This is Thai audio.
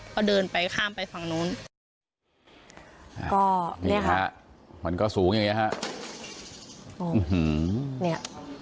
พอเดินไปข้ามไปฝั่งนู้นก็นี่ค่ะมันก็สูงอย่างเงี้ยค่ะอื้อหือเนี้ย